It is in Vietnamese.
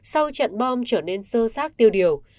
sau trận bom trở nên sơ sát tiêu điều